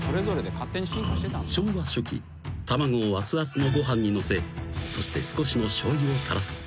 ［昭和初期卵をあつあつのご飯にのせそして少しのしょうゆを垂らす］